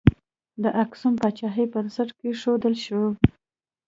د اکسوم پاچاهۍ بنسټ کښودل شو.